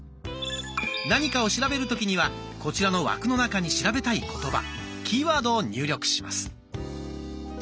何かを調べる時にはこちらの枠の中に調べたい言葉キーワードを入力します。